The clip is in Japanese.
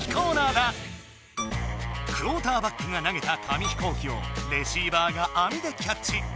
クオーターバックが投げた紙飛行機をレシーバーがあみでキャッチ。